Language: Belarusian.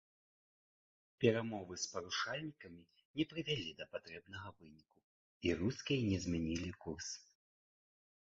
Перамовы з парушальнікамі не прывялі да патрэбнага выніку, і рускія не змянілі курс.